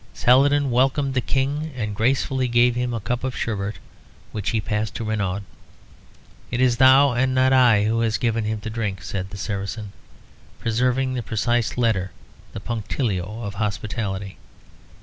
Saladin welcomed the king and gracefully gave him a cup of sherbet, which he passed to Renaud. "It is thou and not I who hast given him to drink," said the Saracen, preserving the precise letter of the punctilio of hospitality.